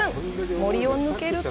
森を抜けると。